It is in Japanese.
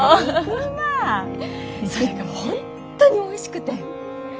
それがホントにおいしくて。